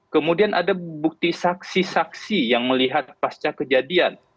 kemudian ada bukti saksi saksi yang melihat pasca kejadian